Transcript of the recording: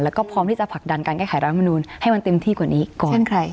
แล้วก็พร้อมที่จะผลักดันการแก้ไขรัฐมนูลให้มันเต็มที่กว่านี้ก่อน